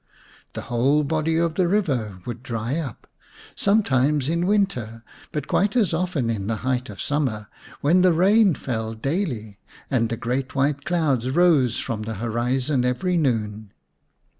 The whole body of the river would dry up, some times in winter, but quite as often in the height of summer, when rain fell daily and the great white clouds rose from the horizon every noon.